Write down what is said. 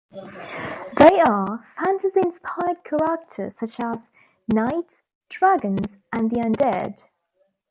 They are fantasy-inspired characters, such as knights, dragons and the undead.